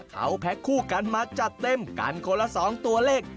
เขาแพ็คคู่กันมาจัดเต็มกันคนละ๒ตัวเลข